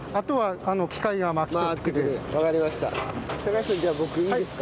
橋さんじゃあ僕いいですか？